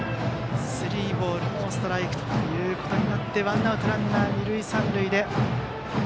スリーボールノーストライクとなってワンアウトランナー、二塁三塁で。